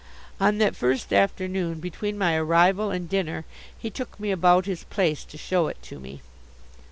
On that first afternoon, between my arrival and dinner, he took me about his place, to show it to me.